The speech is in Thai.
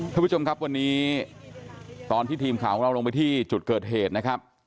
ท่านผู้ชมครับวันนี้ตอนที่ทีมข่าวของเราลงไปที่จุดเกิดเหตุนะครับ